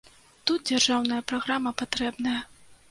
Тут дзяржаўная праграма патрэбная.